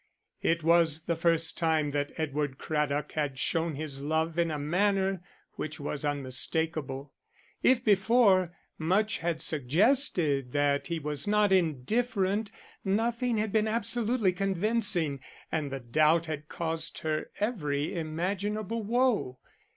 It was the first time that Edward Craddock had shown his love in a manner which was unmistakable; if before, much had suggested that he was not indifferent, nothing had been absolutely convincing, and the doubt had caused her every imaginable woe.